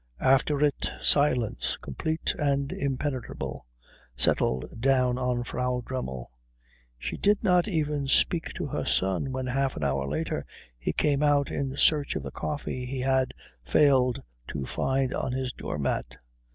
After it silence, complete and impenetrable, settled down on Frau Dremmel. She did not even speak to her son when half an hour later he came out in search of the coffee he had failed to find on his doormat.